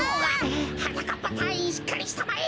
はなかっぱたいいんしっかりしたまえ！